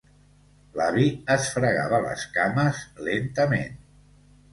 L'avi es fregava les cames lentament.